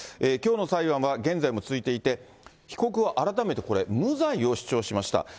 きょうの裁判は現在も続いていて、被告は改めてこれ、無罪を主張しました。